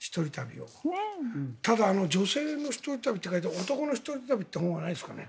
ただ、女性の一人旅はあるけど男の一人旅という本はないですかね。